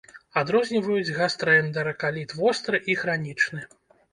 Адрозніваюць гастраэнтэракаліт востры і хранічны.